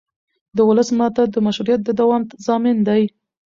د ولس ملاتړ د مشروعیت د دوام ضامن دی